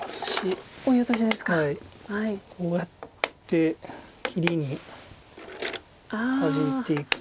こうやって切りにハジいていく。